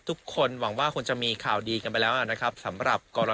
ทุกคนหวังว่าคงจะมีข่าวดีกันไปแล้วนะครับสำหรับกรณี